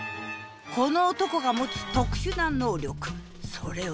この男が持つ特殊な「能力」それは。